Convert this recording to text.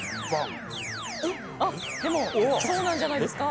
あっでもそうなんじゃないですか？